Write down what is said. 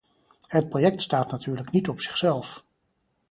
Het project staat natuurlijk niet op zichzelf.